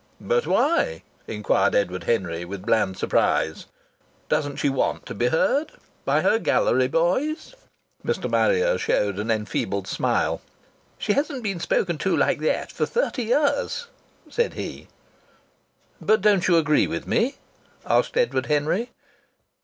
"But why?" inquired Edward Henry with bland surprise. "Doesn't she want to be heard by her gallery boys?" Mr. Marrier showed an enfeebled smile. "She hasn't been spoken to like that for thirty years," said he. "But don't you agree with me?" asked Edward Henry.